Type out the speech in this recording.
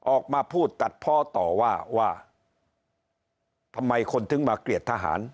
ออกมาพูดตัดเพาะต่อว่าว่าทำไมคนถึงมาเกลียดทหาร